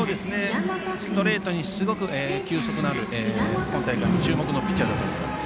ストレートにすごく球速のある今大会注目のピッチャーだと思います。